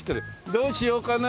どうしようかな？